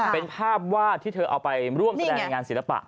เป็นภาพวาดที่เธอเอาไปร่วมแสดงในงานศิลปะ